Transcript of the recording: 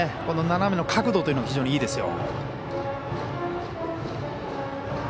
この斜めの角度というのが非常にいいですよ。